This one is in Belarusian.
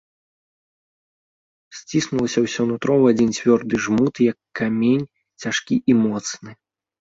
Сціснулася ўсё нутро ў адзін цвёрды жмут, як камень, цяжкі і моцны.